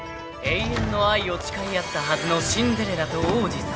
［永遠の愛を誓い合ったはずのシンデレラと王子様］